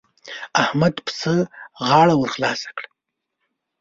احمد پسه غاړه ور خلاصه کړه.